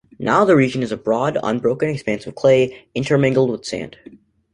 Now the region is a broad, unbroken expanse of clay intermingled with sand.